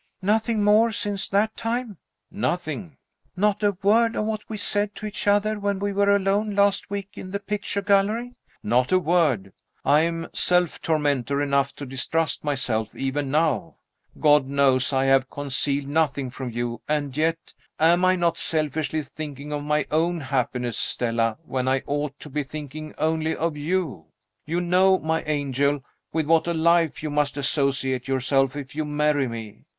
"Nothing more, since that time?" "Nothing." "Not a word of what we said to each other when we were alone last week in the picture gallery?" "Not a word. I am self tormentor enough to distrust myself, even now. God knows I have concealed nothing from you; and yet Am I not selfishly thinking of my own happiness, Stella, when I ought to be thinking only of you? You know, my angel, with what a life you must associate yourself if you marry me.